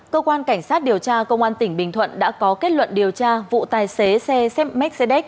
cơ quan cảnh sát điều tra công an tỉnh bình thuận đã có kết luận điều tra vụ tài xế xe mercedes